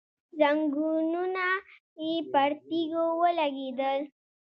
ځنګنونه یې پر تيږو ولګېدل.